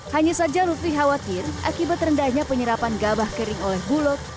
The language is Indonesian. hanya saja lutfi khawatir akibat rendahnya penyerapan gabah kering oleh bulog